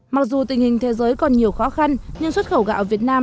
mặc dù tình hình thế giới còn nhiều khó khăn nhưng xuất khẩu gạo việt nam